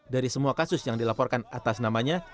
dari semua kasus yang dilaporkan atas namanya